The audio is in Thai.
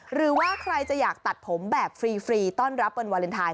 หรือว่าใครจะอยากตัดผมแบบฟรีต้อนรับวันวาเลนไทย